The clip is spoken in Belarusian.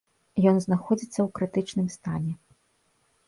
Ён знаходзіцца ў крытычным стане.